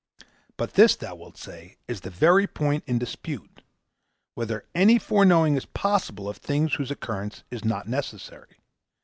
But this, thou wilt say, is the very point in dispute whether any foreknowing is possible of things whose occurrence is not necessary.